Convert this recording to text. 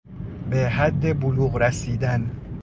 به حد بلوغ رسیدن